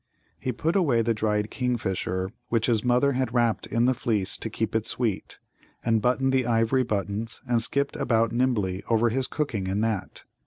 He put away the dried kingfisher which his mother had wrapped in the fleece to keep it sweet, and buttoned the ivory buttons, and skipped about nimbly over his cooking in that.